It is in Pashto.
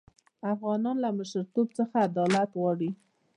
افغانان له مشرتوب څخه عدالت غواړي.